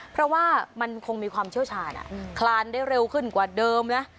เพราะว่ามันคงมีความเชี่ยวชาญคลานได้เร็วขึ้นกว่าเดิมนะ